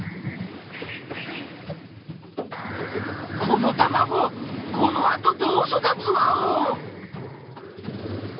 このたまごこのあとどうそだつワオ！？